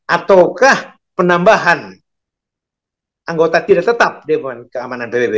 ataukah penambahan anggota tidak tetap dewan keamanan pbb